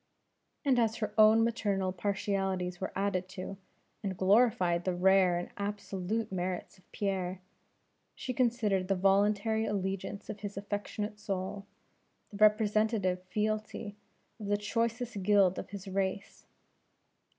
And as her own maternal partialities were added to, and glorified the rare and absolute merits of Pierre; she considered the voluntary allegiance of his affectionate soul, the representative fealty of the choicest guild of his race.